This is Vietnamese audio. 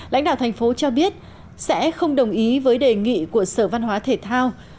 lãnh đạo thành phố cho biết sẽ không đồng ý với đề nghị của sở văn hóa thể thao